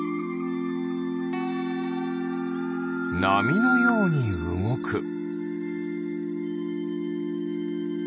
なみのようにうごく。